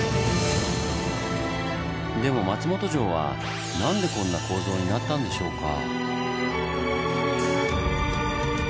でも松本城はなんでこんな構造になったんでしょうか？